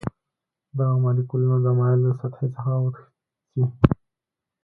دغه مالیکولونه د مایع له سطحې څخه وتښتي.